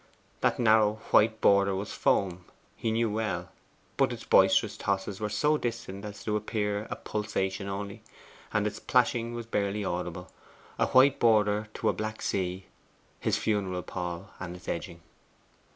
That narrow white border was foam, he knew well; but its boisterous tosses were so distant as to appear a pulsation only, and its plashing was barely audible. A white border to a black sea his funeral pall and its edging.